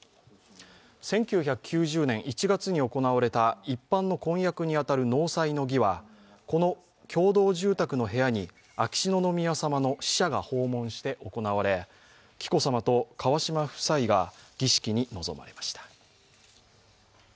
１９９０年１月に行われた一般の婚約に当たる納采の儀はこの共同住宅の部屋に秋篠宮さまの使者が訪問して行われ紀子さまと川嶋夫妻が儀式に臨まれました。